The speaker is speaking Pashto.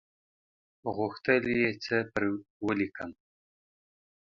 غوښتل یې څه پر ولیکم.